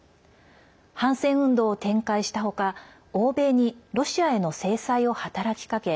反戦運動を展開した他欧米にロシアへの制裁を働きかけ